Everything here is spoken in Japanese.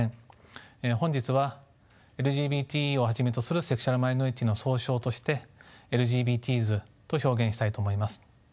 本日はＬＧＢＴをはじめとするセクシュアルマイノリティーの総称としてＬＧＢＴｓと表現したいと思います。